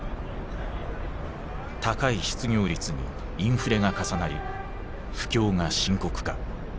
高い失業率にインフレが重なり不況が深刻化。